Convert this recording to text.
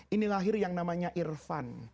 ini lahir yang namanya irfan